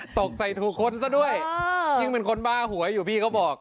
ตกใส่ถูกคนซะด้วยยิ่งเป็นคนบ้าหวยอยู่พี่เขาบอก